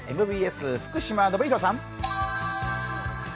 ＭＢＳ、福島暢啓さん。